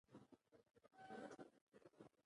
د انګلیسي ژبې زده کړه مهمه ده ځکه چې سیاست رسوي.